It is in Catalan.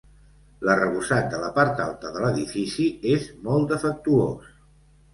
L'arrebossat de la part alta de l'edifici és molt defectuós.